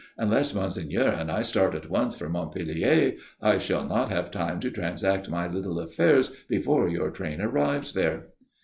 "Unless monseigneur and I start at once for Montpellier, I shall not have time to transact my little affairs before your train arrives there."